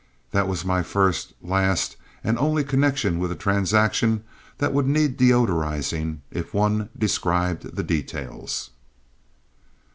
That was my first, last, and only connection with a transaction that would need deodorizing if one described the details.